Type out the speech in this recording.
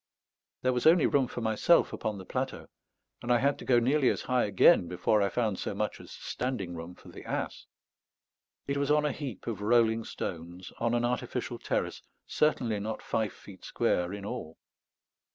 There was only room for myself upon the plateau, and I had to go nearly as high again before I found so much as standing room for the ass. It was on a heap of rolling stones, on an artificial terrace, certainly not five feet square in all.